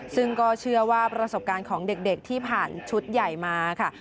ซึ่งก็เชื่อว่าประสบการณ์ของเด็กที่ผ่านชุดใหญ่มาค่ะ